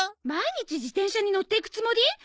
毎日自転車に乗っていくつもり？